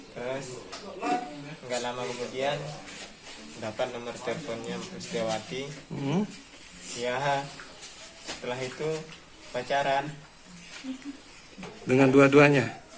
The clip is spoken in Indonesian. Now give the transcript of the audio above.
ya nggak lama kemudian dapat nomor teleponnya mustiawati ya setelah itu pacaran dengan dua duanya